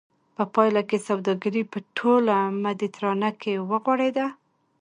په پایله کې سوداګري په ټوله مدیترانه کې وغوړېده